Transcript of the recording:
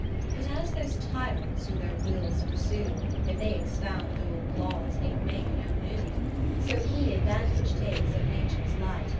10 But as those tyrants who their wills pursue, If they expound old laws, need make no new : So he advantage takes of Nature's light.